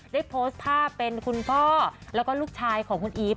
ได้โพสต์ภาพเป็นคุณพ่อแล้วก็ลูกชายของคุณอีฟ